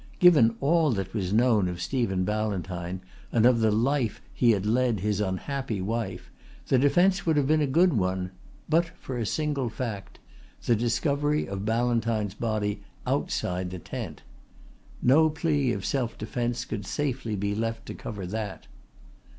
Given all that was known of Stephen Ballantyne and of the life he had led his unhappy wife, the defence would have been a good one, but for a single fact the discovery of Ballantyne's body outside the tent. No plea of self defence could safely be left to cover that.